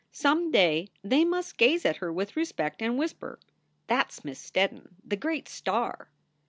Some day they must gaze at her with respect and whisper, "That s Miss Steddon, the great star."